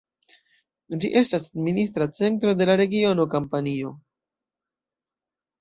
Ĝi estas administra centro de la regiono Kampanio.